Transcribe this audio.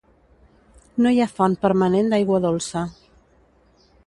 No hi ha font permanent d'aigua dolça.